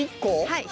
はい。